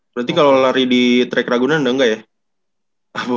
berarti kalo lari di track raguna udah nggak ya apa masih